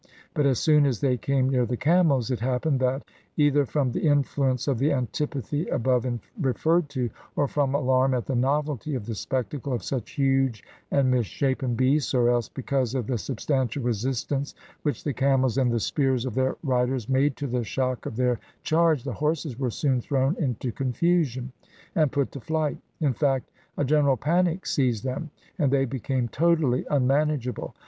But, as soon as they came near the camels, it happened that, either from the influence of the antipathy above referred to, or from alarm at the novelty of the spectacle of such huge and misshapen beasts, or else because of the substantial resistance which the camels and the spears of their riders made to the shock of their charge, the horses were soon thrown into confusion and put to flight. In fact, a general panic seized them, and they became totally unmanageable.